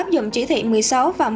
là một năm trăm ba mươi bốn ca